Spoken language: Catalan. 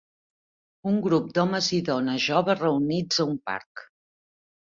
Un grup d'homes i dones joves reunits a un parc.